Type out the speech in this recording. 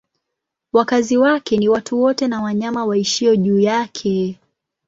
Wakazi wake ni watu wote na wanyama waishio juu yake.